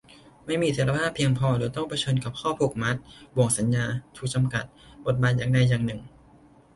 ไม่มีอิสรภาพเพียงพอหรือต้องเผชิญกับข้อผูกมัด บ่วงสัญญา ถูกจำกัดบทบาทอย่างใดอย่างหนึ่ง